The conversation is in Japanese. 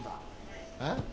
えっ？